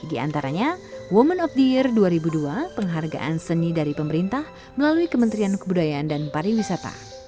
di antaranya women of the year dua ribu dua penghargaan seni dari pemerintah melalui kementerian kebudayaan dan pariwisata